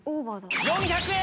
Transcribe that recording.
４００円！